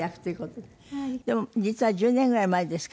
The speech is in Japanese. でも実は１０年ぐらい前ですか？